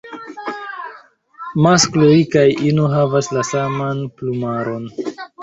Maskloj kaj ino havas la saman plumaron.